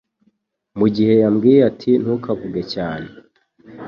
mu gihe yambwiye ati Ntukavuge cyane